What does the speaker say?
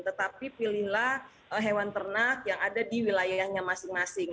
tetapi pilihlah hewan ternak yang ada di wilayahnya masing masing